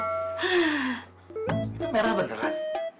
itu merah beneran